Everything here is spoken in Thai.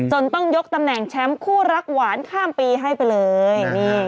ต้องยกตำแหน่งแชมป์คู่รักหวานข้ามปีให้ไปเลย